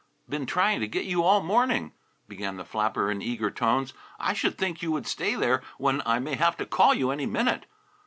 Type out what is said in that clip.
"Been trying to get you all the morning," began the flapper in eager tones. "I should think you would stay there, when I may have to call you any minute.